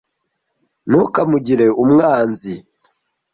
Ntukamugire umwanzi.